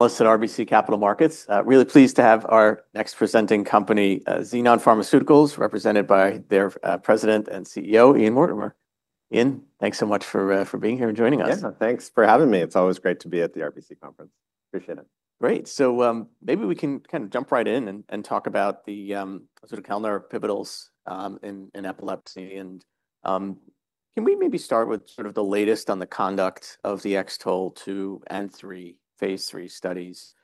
At RBC Capital Markets. Really pleased to have our next presenting company, Xenon Pharmaceuticals, represented by their President and CEO, Ian Mortimer. Ian, thanks so much for being here and joining us. Yeah, thanks for having me. It's always great to be at the RBC Conference. Appreciate it. Great. Maybe we can kind of jump right in and talk about the sort of counterpivotals in epilepsy. Can we maybe start with the latest on the conduct of the X-TOLE2 and 3, phase III studies,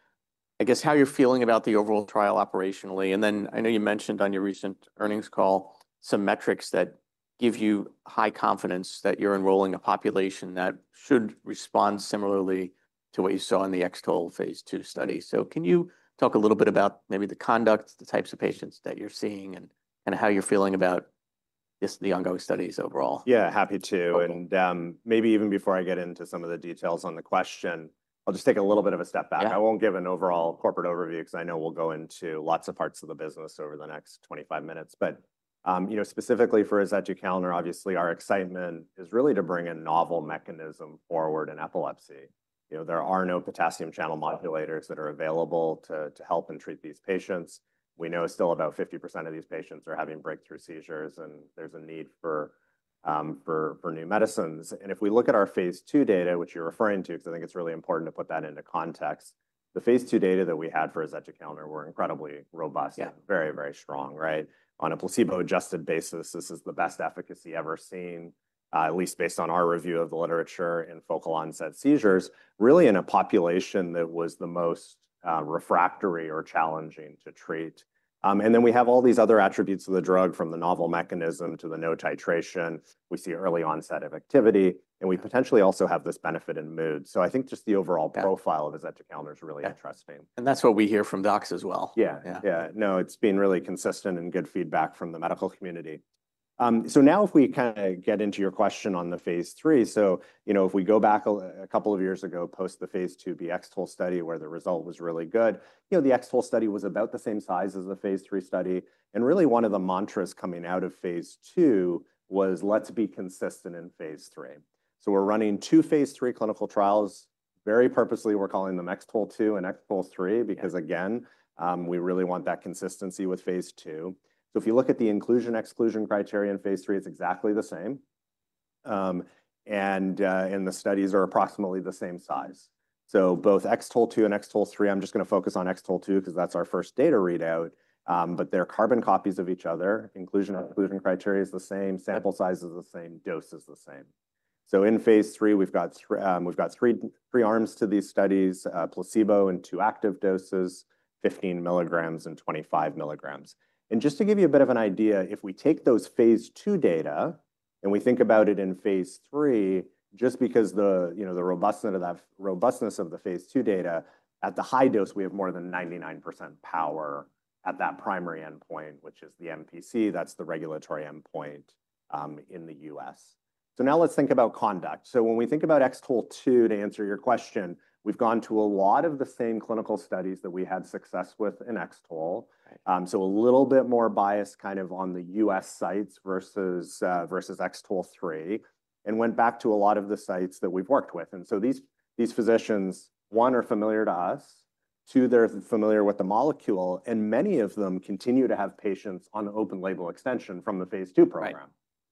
I guess how you're feeling about the overall trial operationally? I know you mentioned on your recent earnings call some metrics that give you high confidence that you're enrolling a population that should respond similarly to what you saw in the X-TOLE phase II study. Can you talk a little bit about maybe the conduct, the types of patients that you're seeing, and kind of how you're feeling about just the ongoing studies overall? Yeah, happy to. Maybe even before I get into some of the details on the question, I'll just take a little bit of a step back. I won't give an overall corporate overview because I know we'll go into lots of parts of the business over the next 25 minutes. Specifically for azetukalner and our excitement, obviously our excitement is really to bring a novel mechanism forward in epilepsy. There are no potassium channel modulators that are available to help and treat these patients. We know still about 50% of these patients are having breakthrough seizures, and there's a need for new medicines. If we look at our phase II data, which you're referring to, because I think it's really important to put that into context, the phase II data that we had for azetukalner were incredibly robust and very, very strong, right? On a placebo-adjusted basis, this is the best efficacy ever seen, at least based on our review of the literature in focal onset seizures, really in a population that was the most refractory or challenging to treat. We have all these other attributes of the drug, from the novel mechanism to the no titration. We see early onset of activity, and we potentially also have this benefit in mood. I think just the overall profile of azetukalner and cenobamate is really interesting. That is what we hear from docs as well. Yeah. Yeah. No, it's been really consistent and good feedback from the medical community. Now if we kind of get into your question on the phase III, if we go back a couple of years ago post the phase IIb X-TOLE study where the result was really good, the X-TOLE study was about the same size as the phase III study. One of the mantras coming out of phase II was, let's be consistent in phase III. We're running two phase III clinical trials, very purposely. We're calling them X-TOLE2 and X-TOLE3 because, again, we really want that consistency with phase II. If you look at the inclusion/exclusion criteria in phase III, it's exactly the same. The studies are approximately the same size. Both X-TOLE2 and X-TOLE3, I'm just going to focus on X-TOLE2 because that's our first data readout, but they're carbon copies of each other. Inclusion/exclusion criteria is the same. Sample size is the same. Dose is the same. In phase III, we've got three arms to these studies, placebo and two active doses, 15 mg and 25 mg. Just to give you a bit of an idea, if we take those phase II data and we think about it in phase III, just because of the robustness of the phase II data, at the high dose, we have more than 99% power at that primary endpoint, which is the MPC. That's the regulatory endpoint in the U.S. Now let's think about conduct. When we think about X-TOLE2, to answer your question, we've gone to a lot of the same clinical studies that we had success with in X-TOLE. A little bit more bias kind of on the U.S. sites versus X-TOLE3, and went back to a lot of the sites that we've worked with. These physicians, one, are familiar to us. Two, they're familiar with the molecule. Many of them continue to have patients on open label extension from the phase II program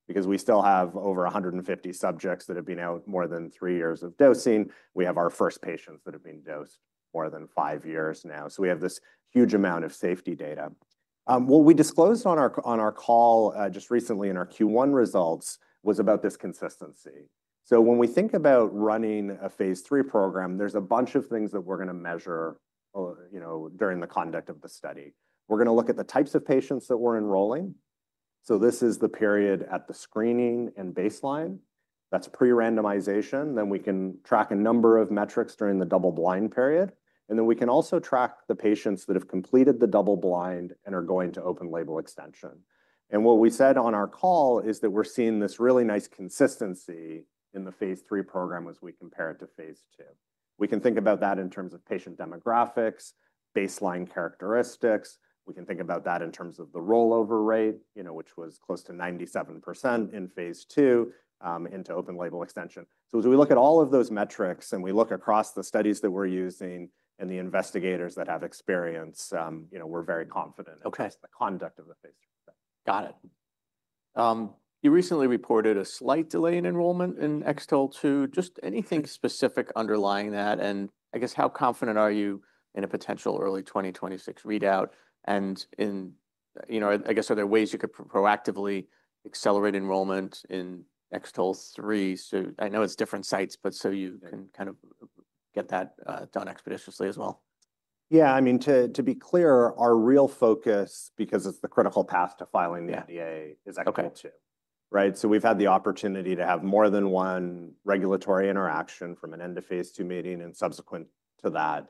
because we still have over 150 subjects that have been out more than three years of dosing. We have our first patients that have been dosed more than five years now. We have this huge amount of safety data. What we disclosed on our call just recently in our Q1 results was about this consistency. When we think about running a phase III program, there's a bunch of things that we're going to measure during the conduct of the study. We're going to look at the types of patients that we're enrolling. This is the period at the screening and baseline. That's pre-randomization. We can track a number of metrics during the double-blind period. We can also track the patients that have completed the double-blind and are going to open label extension. What we said on our call is that we're seeing this really nice consistency in the phase III program as we compare it to phase II. We can think about that in terms of patient demographics, baseline characteristics. We can think about that in terms of the rollover rate, which was close to 97% in phase II into open label extension. As we look at all of those metrics and we look across the studies that we're using and the investigators that have experience, we're very confident in the conduct of the phase III study. Got it. You recently reported a slight delay in enrollment in X-TOLE2. Just anything specific underlying that? I guess how confident are you in a potential early 2026 readout? I guess are there ways you could proactively accelerate enrollment in X-TOLE3? I know it's different sites, but you can kind of get that done expeditiously as well. Yeah. I mean, to be clear, our real focus, because it's the critical path to filing the NDA, is X-TOLE2, right? So we've had the opportunity to have more than one regulatory interaction from an end-of-phase II meeting and subsequent to that,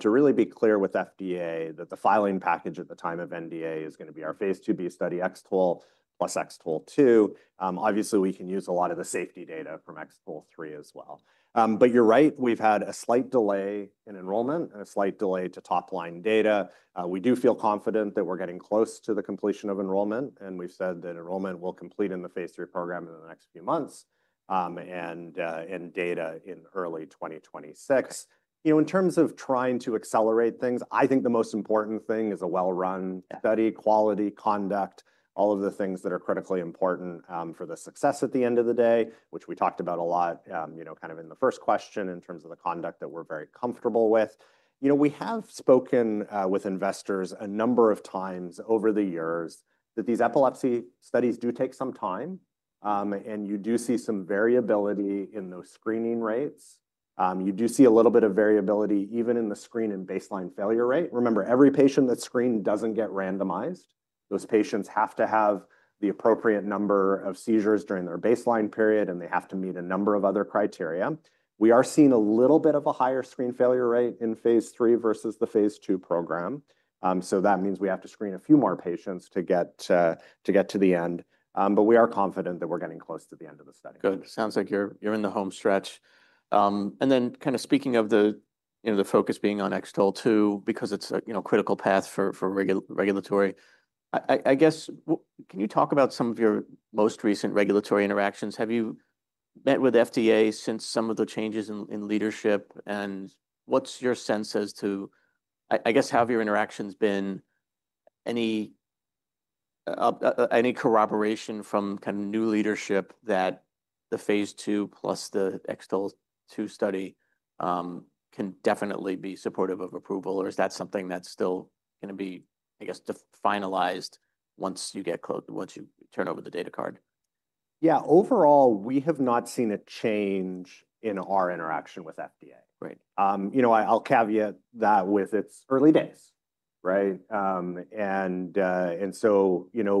to really be clear with FDA that the filing package at the time of NDA is going to be our phase IIb study, X-TOLE plus X-TOLE2. Obviously, we can use a lot of the safety data from X-TOLE3 as well. You're right, we've had a slight delay in enrollment, a slight delay to top-line data. We do feel confident that we're getting close to the completion of enrollment. We've said that enrollment will complete in the phase III program in the next few months and data in early 2026. In terms of trying to accelerate things, I think the most important thing is a well-run study, quality, conduct, all of the things that are critically important for the success at the end of the day, which we talked about a lot kind of in the first question in terms of the conduct that we're very comfortable with. We have spoken with investors a number of times over the years that these epilepsy studies do take some time. You do see some variability in those screening rates. You do see a little bit of variability even in the screen and baseline failure rate. Remember, every patient that's screened doesn't get randomized. Those patients have to have the appropriate number of seizures during their baseline period, and they have to meet a number of other criteria. We are seeing a little bit of a higher screen failure rate in phase III versus the phase II program. That means we have to screen a few more patients to get to the end. We are confident that we're getting close to the end of the study. Good. Sounds like you're in the home stretch. Kind of speaking of the focus being on X-TOLE2, because it's a critical path for regulatory, I guess, can you talk about some of your most recent regulatory interactions? Have you met with FDA since some of the changes in leadership? What's your sense as to, I guess, how have your interactions been? Any corroboration from kind of new leadership that the phase II plus the X-TOLE2 study can definitely be supportive of approval? Or is that something that's still going to be, I guess, finalized once you turn over the data card? Yeah. Overall, we have not seen a change in our interaction with FDA. I'll caveat that with it is early days, right?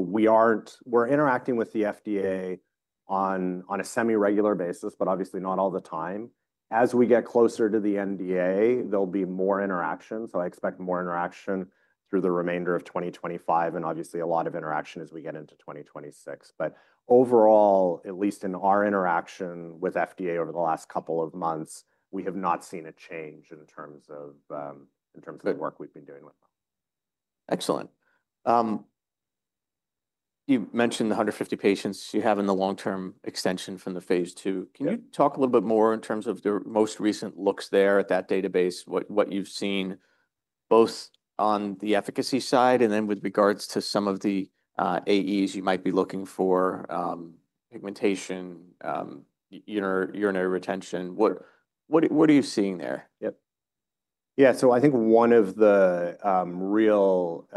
We are interacting with the FDA on a semi-regular basis, but obviously not all the time. As we get closer to the NDA, there will be more interaction. I expect more interaction through the remainder of 2025. Obviously, a lot of interaction as we get into 2026. Overall, at least in our interaction with FDA over the last couple of months, we have not seen a change in terms of the work we have been doing with them. Excellent. You mentioned the 150 patients you have in the long-term extension from the phase II. Can you talk a little bit more in terms of your most recent looks there at that database, what you've seen both on the efficacy side and then with regards to some of the AEs you might be looking for, pigmentation, urinary retention? What are you seeing there? Yeah. I think one of the real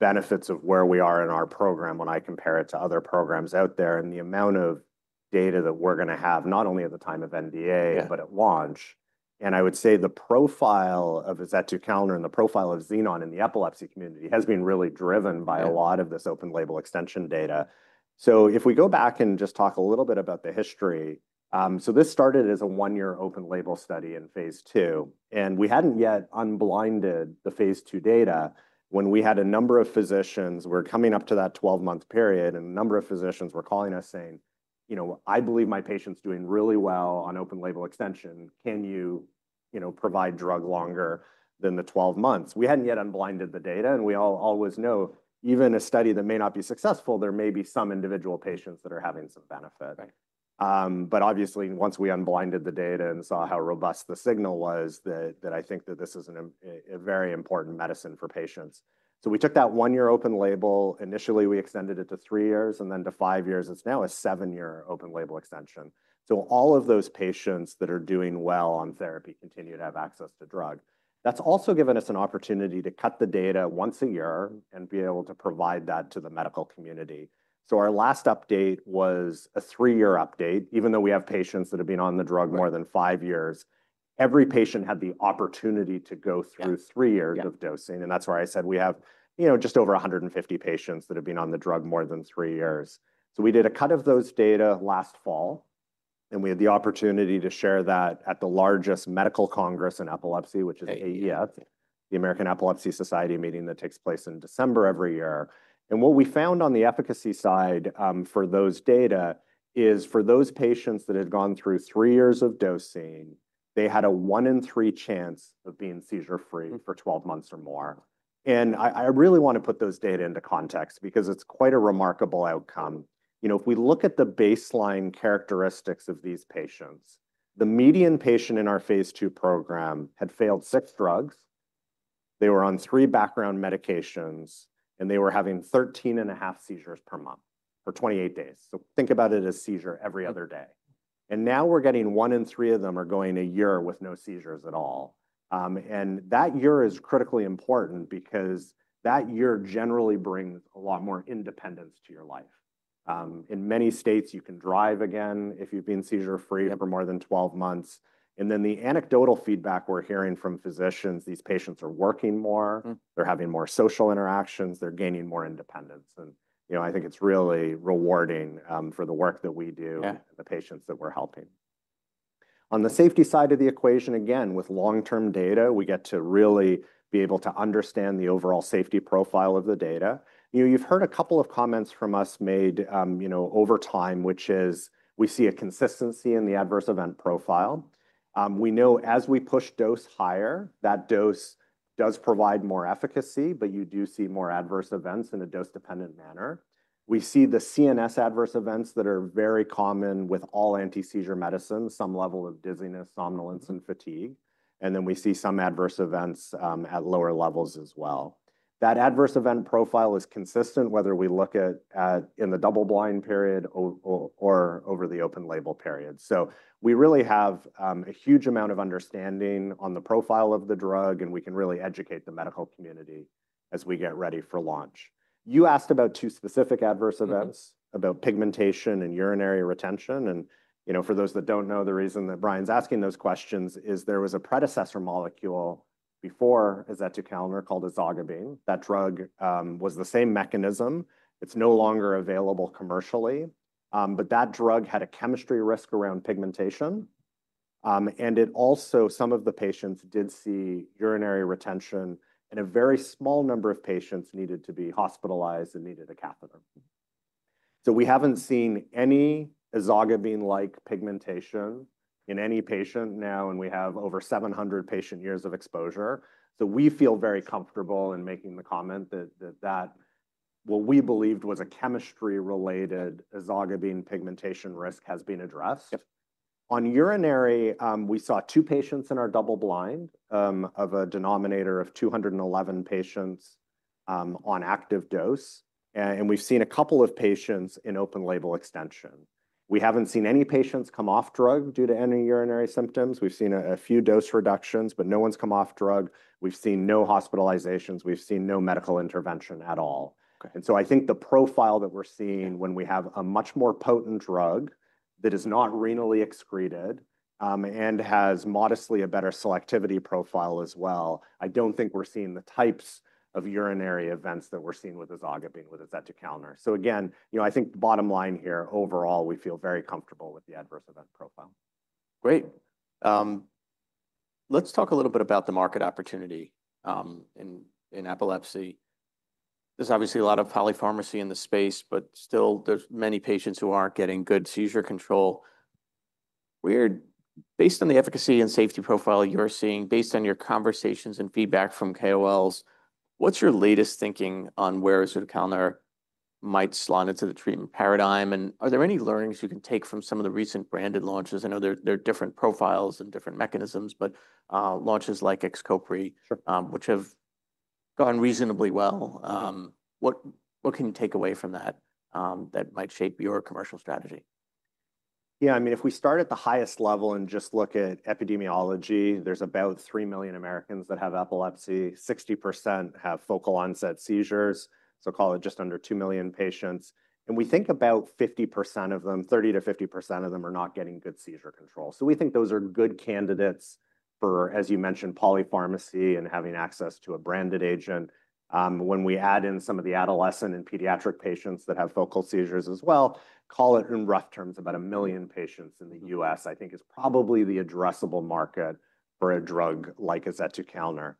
benefits of where we are in our program when I compare it to other programs out there and the amount of data that we're going to have, not only at the time of NDA, but at launch. I would say the profile of azetukalner and XCOPRI, and the profile of Xenon in the epilepsy community has been really driven by a lot of this open label extension data. If we go back and just talk a little bit about the history, this started as a one-year open label study in phase II. We had not yet unblinded the phase II data when we had a number of physicians, we were coming up to that 12-month period. A number of physicians were calling us saying, "I believe my patient's doing really well on open label extension. Can you provide drug longer than the 12 months? We had not yet unblinded the data. We always know even a study that may not be successful, there may be some individual patients that are having some benefit. Obviously, once we unblinded the data and saw how robust the signal was, I think that this is a very important medicine for patients. We took that one-year open label. Initially, we extended it to three years and then to five years. It is now a seven-year open label extension. All of those patients that are doing well on therapy continue to have access to drug. That has also given us an opportunity to cut the data once a year and be able to provide that to the medical community. Our last update was a three-year update. Even though we have patients that have been on the drug more than five years, every patient had the opportunity to go through three years of dosing. That is why I said we have just over 150 patients that have been on the drug more than three years. We did a cut of those data last fall. We had the opportunity to share that at the largest medical congress in epilepsy, which is AES, the American Epilepsy Society meeting that takes place in December every year. What we found on the efficacy side for those data is for those patients that had gone through three years of dosing, they had a one in three chance of being seizure-free for 12 months or more. I really want to put those data into context because it is quite a remarkable outcome. If we look at the baseline characteristics of these patients, the median patient in our phase II program had failed six drugs. They were on three background medications, and they were having 13.5 seizures per month for 28 days. Think about it as a seizure every other day. Now we're getting one in three of them going a year with no seizures at all. That year is critically important because that year generally brings a lot more independence to your life. In many states, you can drive again if you've been seizure-free for more than 12 months. The anecdotal feedback we're hearing from physicians is these patients are working more. They're having more social interactions. They're gaining more independence. I think it's really rewarding for the work that we do and the patients that we're helping. On the safety side of the equation, again, with long-term data, we get to really be able to understand the overall safety profile of the data. You've heard a couple of comments from us made over time, which is we see a consistency in the adverse event profile. We know as we push dose higher, that dose does provide more efficacy, but you do see more adverse events in a dose-dependent manner. We see the CNS adverse events that are very common with all anti-seizure medicines, some level of dizziness, somnolence, and fatigue. We see some adverse events at lower levels as well. That adverse event profile is consistent whether we look at in the double-blind period or over the open label period. We really have a huge amount of understanding on the profile of the drug, and we can really educate the medical community as we get ready for launch. You asked about two specific adverse events, about pigmentation and urinary retention. For those that do not know, the reason that Brian is asking those questions is there was a predecessor molecule before azetukalner called ezogabine. That drug was the same mechanism. It is no longer available commercially. That drug had a chemistry risk around pigmentation. Also, some of the patients did see urinary retention, and a very small number of patients needed to be hospitalized and needed a catheter. We have not seen any ezogabine-like pigmentation in any patient now, and we have over 700 patient years of exposure. We feel very comfortable in making the comment that what we believed was a chemistry-related ezogabine pigmentation risk has been addressed. On urinary, we saw two patients in our double-blind of a denominator of 211 patients on active dose. We have seen a couple of patients in open label extension. We have not seen any patients come off drug due to any urinary symptoms. We have seen a few dose reductions, but no one has come off drug. We have seen no hospitalizations. We have seen no medical intervention at all. I think the profile that we are seeing when we have a much more potent drug that is not renally excreted and has modestly a better selectivity profile as well, I do not think we are seeing the types of urinary events that we were seeing with ezogabine or with ezetucalner. I think the bottom line here, overall, we feel very comfortable with the adverse event profile. Great. Let's talk a little bit about the market opportunity in epilepsy. There's obviously a lot of polypharmacy in the space, but still, there's many patients who aren't getting good seizure control. Based on the efficacy and safety profile you're seeing, based on your conversations and feedback from KOLs, what's your latest thinking on where Azetukalner might slide into the treatment paradigm? Are there any learnings you can take from some of the recent branded launches? I know there are different profiles and different mechanisms, but launches like XCOPRI, which have gone reasonably well. What can you take away from that that might shape your commercial strategy? Yeah. I mean, if we start at the highest level and just look at epidemiology, there's about 3 million Americans that have epilepsy. 60% have focal onset seizures. So call it just under 2 million patients. And we think about 50% of them, 30-50% of them are not getting good seizure control. So we think those are good candidates for, as you mentioned, polypharmacy and having access to a branded agent. When we add in some of the adolescent and pediatric patients that have focal seizures as well, call it in rough terms about a million patients in the U.S., I think, is probably the addressable market for a drug like Azetukalner.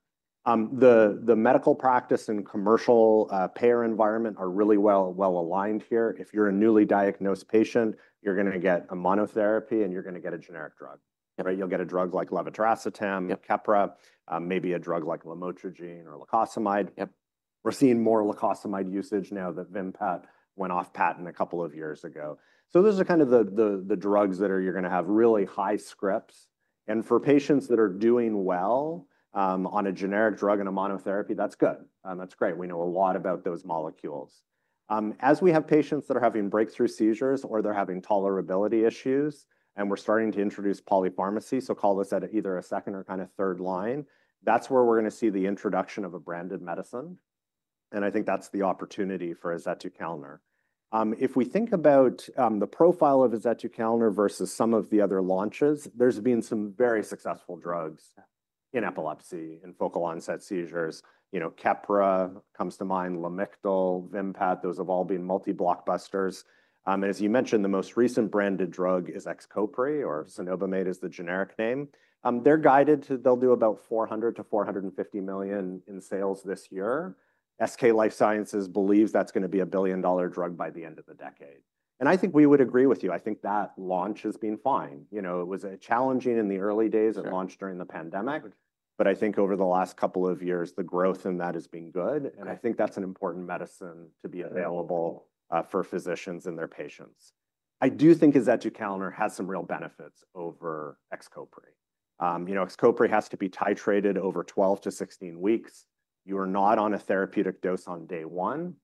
The medical practice and commercial payer environment are really well aligned here. If you're a newly diagnosed patient, you're going to get a monotherapy, and you're going to get a generic drug. You'll get a drug like levetiracetam, Keppra, maybe a drug like lamotrigine or lacosamide. We're seeing more lacosamide usage now that Vimpat went off patent a couple of years ago. Those are kind of the drugs that you're going to have really high scripts. For patients that are doing well on a generic drug and a monotherapy, that's good. That's great. We know a lot about those molecules. As we have patients that are having breakthrough seizures or they're having tolerability issues, and we're starting to introduce polypharmacy, call this at either a second or kind of third line, that's where we're going to see the introduction of a branded medicine. I think that's the opportunity for azetukalner. If we think about the profile of azetukalner versus some of the other launches, there's been some very successful drugs in epilepsy, in focal onset seizures. Keppra comes to mind, Lamictal, Vimpat, those have all been multi-blockbusters. As you mentioned, the most recent branded drug is XCOPRI, or cenobamate is the generic name. They're guided to they'll do about $400 million-$450 million in sales this year. SK Life Sciences believes that's going to be a billion-dollar drug by the end of the decade. I think we would agree with you. I think that launch has been fine. It was challenging in the early days and launched during the pandemic. Over the last couple of years, the growth in that has been good. I think that's an important medicine to be available for physicians and their patients. I do think azetukalner has some real benefits over XCOPRI. XCOPRI has to be titrated over 12-16 weeks. You are not on a therapeutic dose on day one.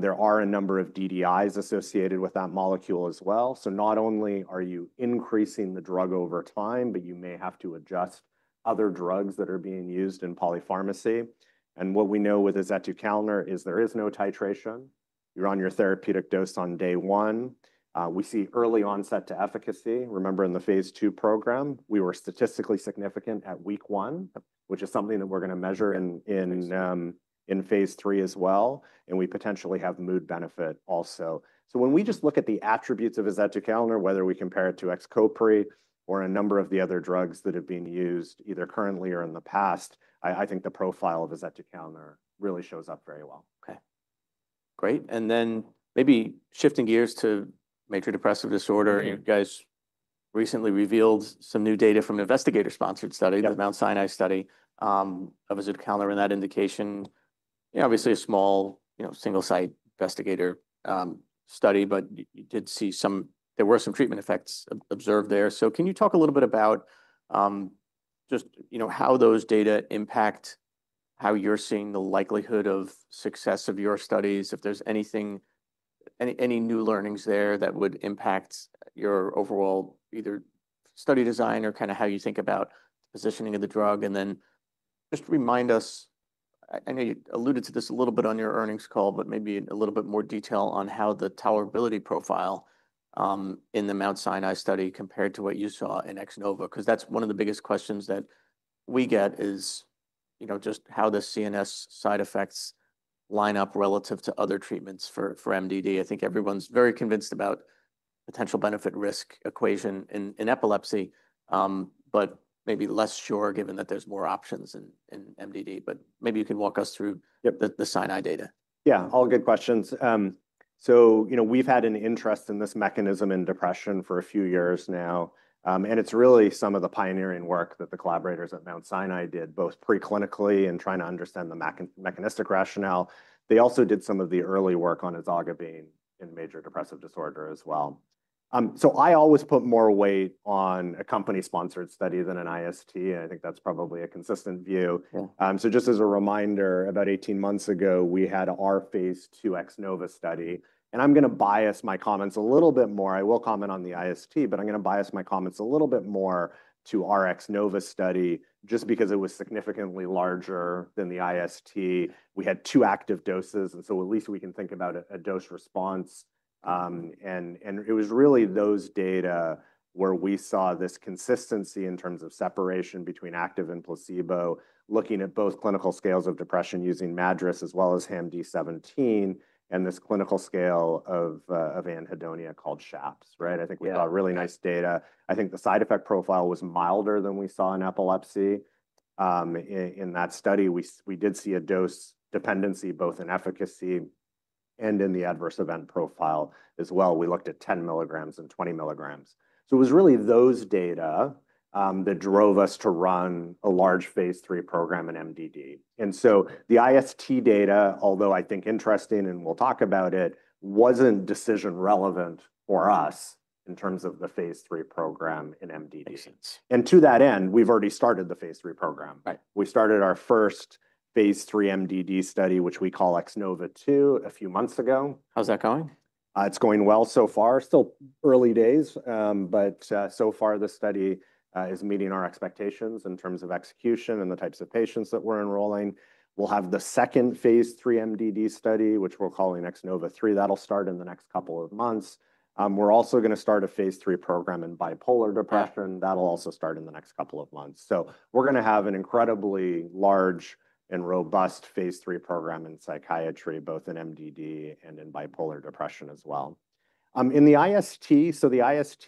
There are a number of DDIs associated with that molecule as well. Not only are you increasing the drug over time, but you may have to adjust other drugs that are being used in polypharmacy. What we know with azetukalner is there is no titration. You are on your therapeutic dose on day one. We see early onset to efficacy. Remember, in the phase II program, we were statistically significant at week one, which is something that we are going to measure in phase III as well. We potentially have mood benefit also. When we just look at the attributes of azetukalner, whether we compare it to XCOPRI or a number of the other drugs that have been used either currently or in the past, I think the profile of azetukalner really shows up very well. Okay. Great. Maybe shifting gears to major depressive disorder, you guys recently revealed some new data from an investigator-sponsored study, the Mount Sinai study of Azetukalner in that indication. Obviously, a small single-site investigator study, but you did see some, there were some treatment effects observed there. Can you talk a little bit about just how those data impact how you're seeing the likelihood of success of your studies, if there's anything, any new learnings there that would impact your overall either study design or kind of how you think about positioning of the drug? Just remind us, I know you alluded to this a little bit on your earnings call, but maybe in a little bit more detail on how the tolerability profile in the Mount Sinai study compared to what you saw in Xenova, because that's one of the biggest questions that we get is just how the CNS side effects line up relative to other treatments for MDD. I think everyone's very convinced about potential benefit-risk equation in epilepsy, but maybe less sure given that there's more options in MDD. Maybe you can walk us through the Sinai data. Yeah, all good questions. We have had an interest in this mechanism in depression for a few years now. It is really some of the pioneering work that the collaborators at Mount Sinai did, both preclinically and trying to understand the mechanistic rationale. They also did some of the early work on Ezogabine in major depressive disorder as well. I always put more weight on a company-sponsored study than an IST. I think that is probably a consistent view. Just as a reminder, about 18 months ago, we had our phase II Xenova study. I am going to bias my comments a little bit more. I will comment on the IST, but I am going to bias my comments a little bit more to our Xenova study just because it was significantly larger than the IST. We had two active doses. At least we can think about a dose response. It was really those data where we saw this consistency in terms of separation between active and placebo, looking at both clinical scales of depression using MADRS as well as HAMD-17 and this clinical scale of anhedonia, called SHAPS, right? I think we saw really nice data. I think the side effect profile was milder than we saw in epilepsy. In that study, we did see a dose dependency both in efficacy and in the adverse event profile as well. We looked at 10 milligrams and 20 milligrams. It was really those data that drove us to run a large phase III program in MDD. The IST data, although I think interesting and we'll talk about it, was not decision relevant for us in terms of the phase III program in MDD. To that end, we've already started the phase III program. We started our first phase III MDD study, which we call X-NOVA2, a few months ago. How's that going? It's going well so far. Still early days. But so far, the study is meeting our expectations in terms of execution and the types of patients that we're enrolling. We'll have the second phase III MDD study, which we're calling X-NOVA3. That'll start in the next couple of months. We're also going to start a phase III program in bipolar depression. That'll also start in the next couple of months. We're going to have an incredibly large and robust phase III program in psychiatry, both in MDD and in bipolar depression as well. In the IST, so the IST,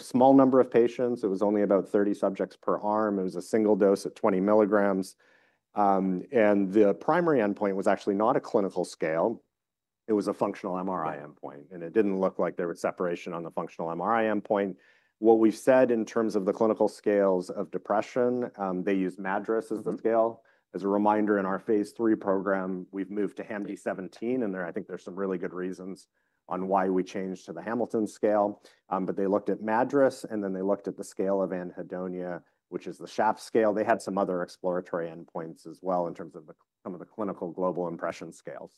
small number of patients. It was only about 30 subjects per arm. It was a single dose at 20 mg. The primary endpoint was actually not a clinical scale. It was a functional MRI endpoint. It didn't look like there was separation on the functional MRI endpoint. What we've said in terms of the clinical scales of depression, they use MADRS as the scale. As a reminder, in our phase III program, we've moved to HAMD-17. I think there's some really good reasons on why we changed to the Hamilton scale. They looked at MADRS, and then they looked at the scale of anhedonia, which is the SHAPS scale. They had some other exploratory endpoints as well in terms of some of the clinical global impression scales.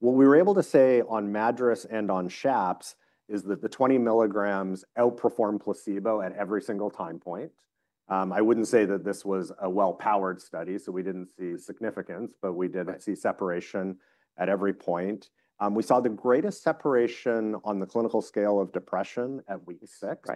What we were able to say on MADRS and on SHAPS is that the 20 milligrams outperformed placebo at every single time point. I wouldn't say that this was a well-powered study, so we didn't see significance, but we did see separation at every point. We saw the greatest separation on the clinical scale of depression at week 6.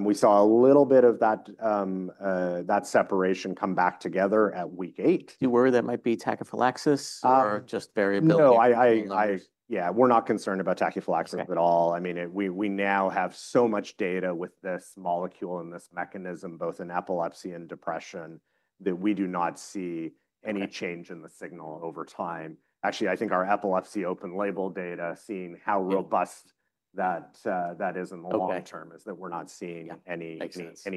We saw a little bit of that separation come back together at week 8. Do you worry that might be tachyphylaxis or just variability? No, I yeah, we're not concerned about tachyphylaxis at all. I mean, we now have so much data with this molecule and this mechanism, both in epilepsy and depression, that we do not see any change in the signal over time. Actually, I think our epilepsy open label data, seeing how robust that is in the long term, is that we're not seeing any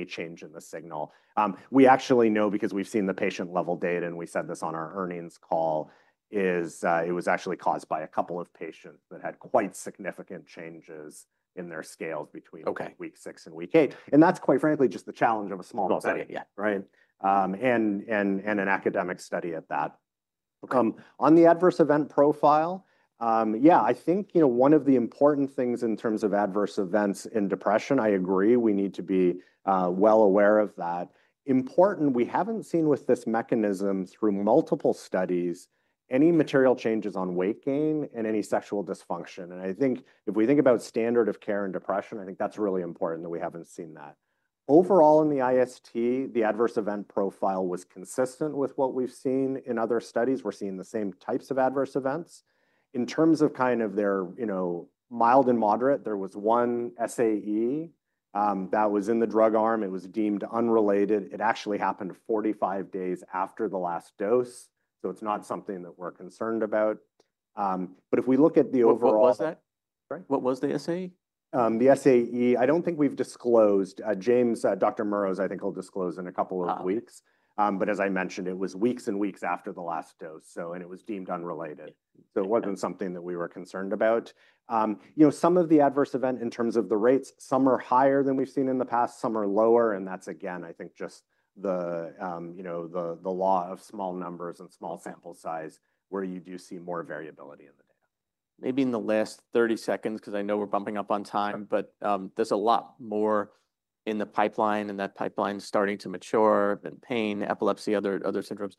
change in the signal. We actually know because we've seen the patient-level data, and we said this on our earnings call, it was actually caused by a couple of patients that had quite significant changes in their scales between week 6 and week 8. That is quite frankly just the challenge of a small study, right? An academic study at that. On the adverse event profile, yeah, I think one of the important things in terms of adverse events in depression, I agree, we need to be well aware of that. Important, we have not seen with this mechanism through multiple studies, any material changes on weight gain and any sexual dysfunction. I think if we think about standard of care in depression, I think that is really important that we have not seen that. Overall, in the IST, the adverse event profile was consistent with what we have seen in other studies. We are seeing the same types of adverse events. In terms of kind of their mild and moderate, there was one SAE that was in the drug arm. It was deemed unrelated. It actually happened 45 days after the last dose. It is not something that we are concerned about. If we look at the overall. What was that? Sorry? What was the SAE? The SAE, I do not think we have disclosed. James, Dr. Murrough, I think he will disclose in a couple of weeks. As I mentioned, it was weeks and weeks after the last dose. It was deemed unrelated. It was not something that we were concerned about. Some of the adverse event in terms of the rates, some are higher than we have seen in the past, some are lower. That is, again, I think just the law of small numbers and small sample size where you do see more variability in the data. Maybe in the last 30 seconds, because I know we're bumping up on time, but there's a lot more in the pipeline and that pipeline is starting to mature in pain, epilepsy, other syndromes.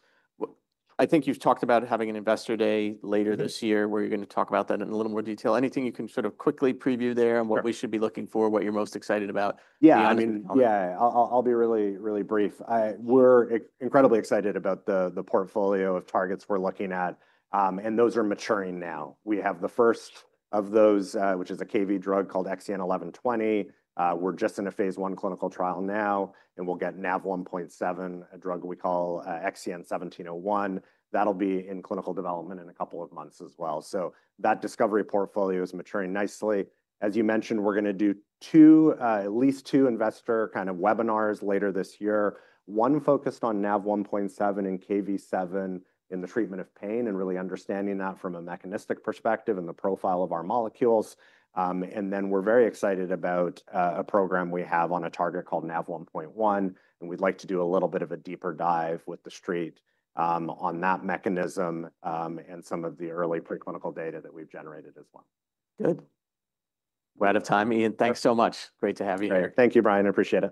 I think you've talked about having an investor day later this year where you're going to talk about that in a little more detail. Anything you can sort of quickly preview there and what we should be looking for, what you're most excited about? Yeah, I mean, yeah, I'll be really, really brief. We're incredibly excited about the portfolio of targets we're looking at. Those are maturing now. We have the first of those, which is a Kv7 drug called XEN1120. We're just in a phase 1 clinical trial now. We'll get Nav1.7, a drug we call XEN1701. That'll be in clinical development in a couple of months as well. That discovery portfolio is maturing nicely. As you mentioned, we're going to do at least two investor kind of webinars later this year, one focused on Nav1.7 and Kv7 in the treatment of pain and really understanding that from a mechanistic perspective and the profile of our molecules. We're very excited about a program we have on a target called Nav1.1. We'd like to do a little bit of a deeper dive with the street on that mechanism and some of the early preclinical data that we've generated as well. Good. We're out of time, Ian. Thanks so much. Great to have you here. Thank you, Brian. I appreciate it.